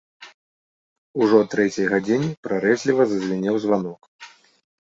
Ужо а трэцяй гадзіне прарэзліва зазвінеў званок.